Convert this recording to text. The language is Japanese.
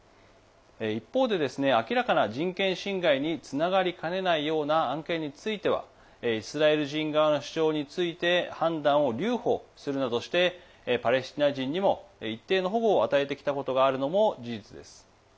一方で、明らかな人権侵害につながりかねないような案件についてはイスラエル人側の主張について判断を留保するなどしてパレスチナ人にも一定の保護を与えてきたことがあるのも事実です。